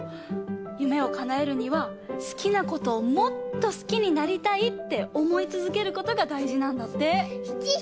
夢をかなえるには好きなことをもっと好きになりたいっておもいつづけることがだいじなんだって。